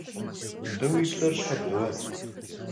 АтӀэ, уи плӀэр щхьэ бгъуэ?